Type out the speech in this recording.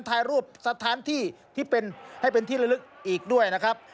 ถ่ายรูปสถานที่ที่เป็นให้เป็นที่ละลึกอีกด้วยนะครับ